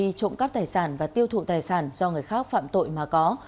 hành vi trộm cắp tài sản và tiêu thụ tài sản do người khác phạm tội mà có